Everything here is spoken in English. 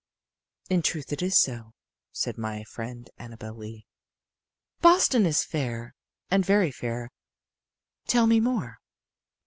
"In truth it is so," said my friend Annabel Lee. "Boston is fair, and very fair. Tell me more."